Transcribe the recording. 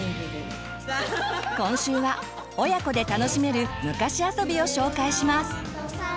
今週は親子で楽しめる昔遊びを紹介します！